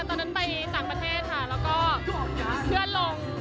ตอนนั้นไปต่างประเทศค่ะแล้วก็เพื่อนลง